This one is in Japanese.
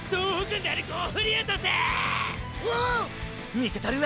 見せたるわ！！